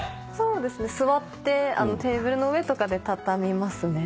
そうですね座ってテーブルの上とかで畳みます。